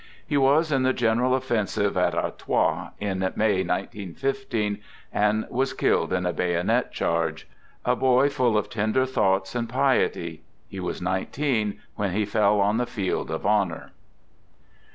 He was in the general offensive at Artois in May, 191 5, and was killed in a bayonet charge — a boy full of tender thoughts and piety. He was nineteen when he fell on the Field of Honor.